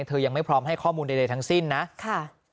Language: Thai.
ยังไม่พร้อมให้ข้อมูลใดทั้งสิ้นนะค่ะ